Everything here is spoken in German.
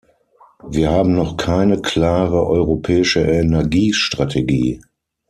Wir haben noch keine klare europäische Energiestrategie.